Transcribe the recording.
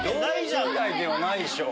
４０代ではないでしょう。